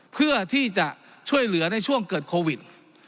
เพื่อที่จะช่วยเหลือในช่วงเกิดโควิด